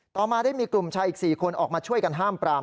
ต่อมาได้มีกลุ่มชายอีก๔คนออกมาช่วยกันห้ามปราม